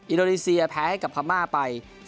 อินโดนีเซียแพ้ให้กับพม่าไป